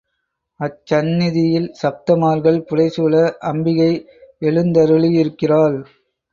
அச்சந்நிதியில் சப்த மாதர்கள் புடை சூழ அம்பிகை எழுந்தருளியிருக்கிறாள்.